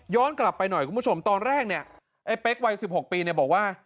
กลับไปหน่อยคุณผู้ชมตอนแรกเนี่ยไอ้เป๊กวัย๑๖ปีเนี่ยบอกว่า